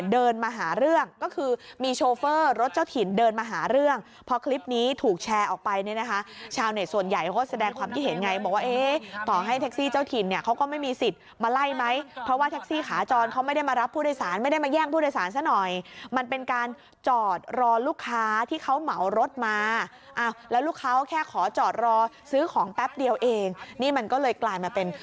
เดินมาหาเรื่องก็คือมีโชเฟอร์รถเจ้าถิ่นเดินมาหาเรื่องพอคลิปนี้ถูกแชร์ออกไปเนี้ยนะคะชาวเน็ตส่วนใหญ่เขาก็แสดงความที่เห็นไงบอกว่าเอ๊ะต่อให้แท็กซี่เจ้าถิ่นเนี้ยเขาก็ไม่มีสิทธิ์มาไล่ไหมเพราะว่าแท็กซี่ขาจรเขาไม่ได้มารับผู้โดยสารไม่ได้มาแย่งผู้โดยสารซะหน่อยมันเป็นการจอดรอลูกค้า